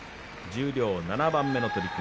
十両７番目の取組